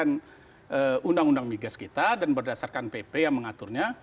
dengan undang undang migas kita dan berdasarkan pp yang mengaturnya